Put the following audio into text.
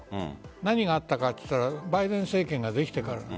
何があったかというとバイデン政権ができてから。